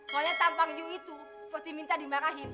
soalnya tampar kamu itu seperti minta dimarahkan